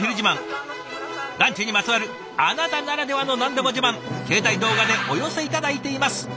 ランチにまつわるあなたならではの何でも自慢携帯動画でお寄せ頂いています。